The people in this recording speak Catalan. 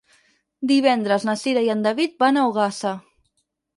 Divendres na Cira i en David van a Ogassa.